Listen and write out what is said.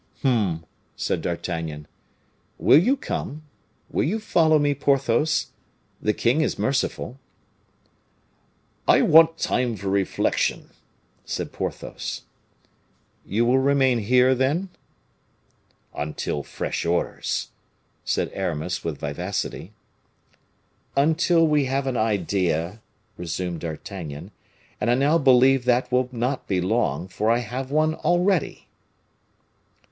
"Hum!" said D'Artagnan. "Will you come? Will you follow me, Porthos? The king is merciful." "I want time for reflection," said Porthos. "You will remain here, then?" "Until fresh orders," said Aramis, with vivacity. "Until we have an idea," resumed D'Artagnan; "and I now believe that will not be long, for I have one already."